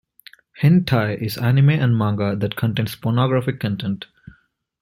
Hentai is anime and manga that contains pornographic content.